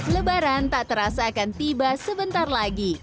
lebaran tak terasa akan tiba sebentar lagi